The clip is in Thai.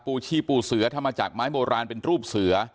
ชีปู่เสือทำมาจากไม้โบราณเป็นรูปเสือ